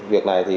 việc này thì